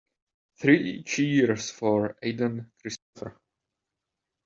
Three cheers for Aden Christopher.